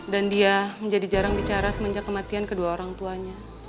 dan dia menjadi jarang bicara semenjak kematian kedua orang tuanya